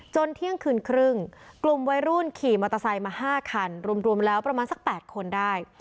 เที่ยงคืนครึ่งกลุ่มวัยรุ่นขี่มอเตอร์ไซค์มา๕คันรวมแล้วประมาณสัก๘คนได้